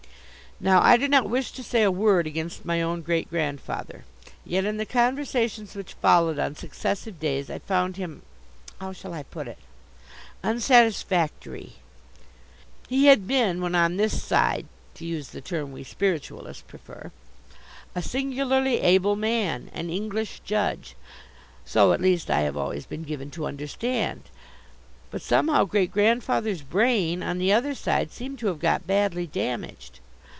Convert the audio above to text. Now I do not wish to say a word against my own great grandfather. Yet in the conversations which followed on successive days I found him how shall I put it? unsatisfactory. He had been, when on this side to use the term we Spiritualists prefer a singularly able man, an English judge; so at least I have always been given to understand. But somehow Great grandfather's brain, on the other side, seemed to have got badly damaged.